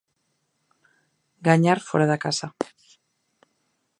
Gañar fóra da casa.